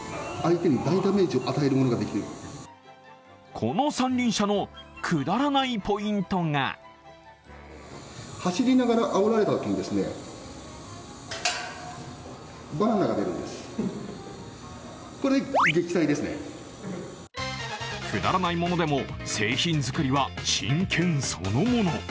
この三輪車のくだらないポイントがくだらないものでも製品作りは真剣そのもの。